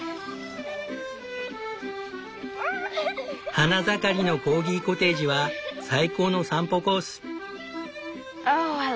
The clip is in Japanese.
花盛りのコーギコテージは最高の散歩コース。